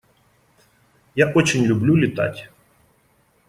Я очень люблю летать.